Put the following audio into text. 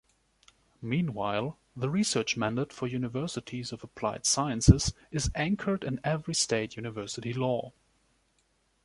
Meanwhile, the research mandate for universities of applied sciences is anchored in every state university law.